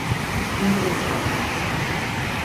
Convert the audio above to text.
İndirin silahlarınızı!